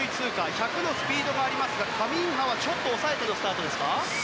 １００のスピードがありますがカミンハは、ちょっと抑えてのスタートですか。